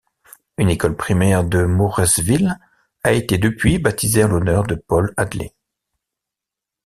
Une école primaire de Mooresville a été depuis baptisée en l'honneur de Paul Hadley.